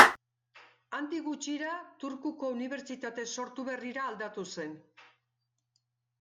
Handik gutxira Turkuko Unibertsitate sortu berrira aldatu zen.